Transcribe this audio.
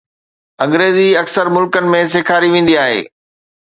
انگريزي اڪثر ملڪن ۾ سيکاري ويندي آهي.